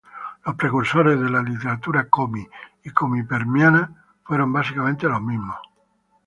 Los precursores de la literatura komi y komi-permiana fueron básicamente los mismos.